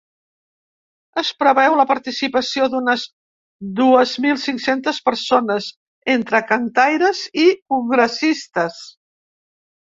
Es preveu la participació d’unes dues mil cinc-centes persones entre cantaires i congressistes.